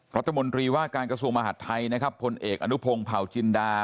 รัฐมนตรีว่าการกระทรวงมหาดไทยนะครับพลเอกอนุพงศ์เผาจินดา